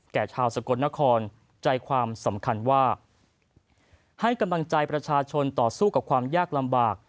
ชาวสกลนครใจความสำคัญว่าให้กำลังใจประชาชนต่อสู้กับความยากลำบาก